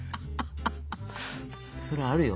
それあるよ。